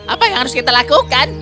apa yang harus kita lakukan